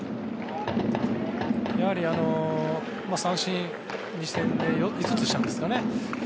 やはり三振２戦目まで５つしたんですかね。